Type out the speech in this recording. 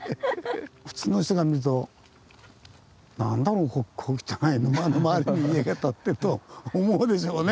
普通の人が見ると「何だろう小汚い沼の周りに家が建ってる」と思うでしょうね。